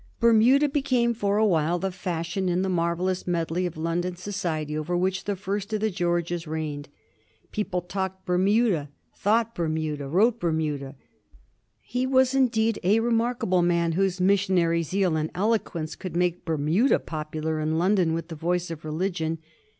Bermuda became for a while the fashion in the marvel lous medley of London society over which the first of the Georges reigned. People talked Bermuda, thought Ber muda, wrote Bermuda. He was indeed a remarkable man whose missionary zeal and eloquence could make Ber muda popular in London with the voice of religion.